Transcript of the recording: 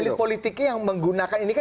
dan politiknya yang menggunakan